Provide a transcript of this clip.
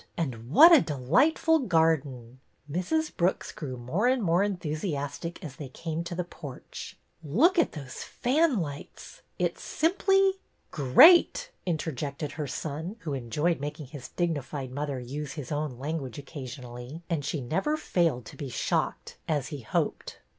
And what a delightful garden !" Mrs. Brooks grew more and more enthusiastic as they came to the porch. " Look at those fan lights ! It 's simply —" "Great!" interjected her son, who enjoyed making his dignified mother use his own language occasionally, and she never failed to be shocked as he hoped.